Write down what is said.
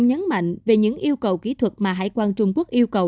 nhấn mạnh về những yêu cầu kỹ thuật mà hải quan trung quốc yêu cầu